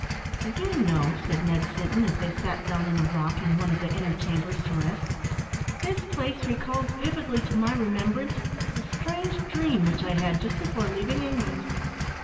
"Do you know," said Ned Sinton, as they sat down on a rock in one of the inner chambers to rest, "this place recalls vividly to my remembrance a strange dream which I had just before leaving England."